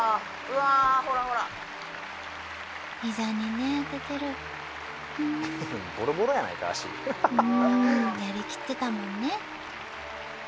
うんやりきってたもんね。